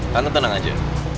tante tenang aja